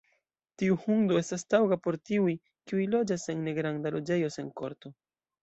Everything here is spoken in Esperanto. Tiu hundo estas taŭga por tiuj, kiuj loĝas en negranda loĝejo sen korto.